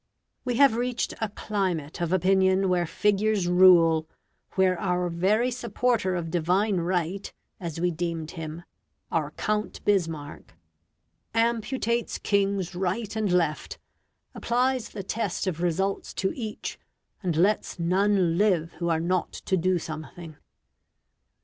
We have reached a "climate" of opinion where figures rule, where our very supporter of Divine right, as we deemed him, our Count Bismarck, amputates kings right and left, applies the test of results to each, and lets none live who are not to do something.